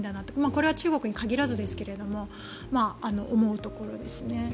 これは中国に限らずですが思うところですね。